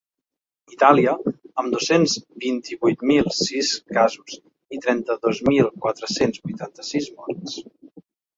Itàlia, amb dos-cents vint-i-vuit mil sis casos i trenta-dos mil quatre-cents vuitanta-sis morts.